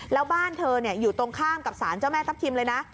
แล้วบ้านเธออยู่ตรงข้ามกับสารเจ้าแม่ทัพทิมเลยนะ